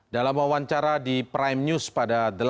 dalam wawancara di prime news pada